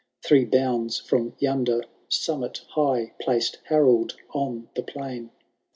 Three bounds from yonder summit high Placed Harold on the plain.